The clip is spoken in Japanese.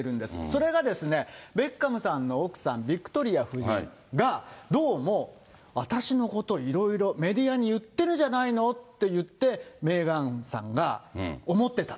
それがですね、ベッカムさんの奥さん、ビクトリア夫人が、どうも私のことをいろいろメディアに言ってるじゃないのっていって、メーガンさんが思ってた。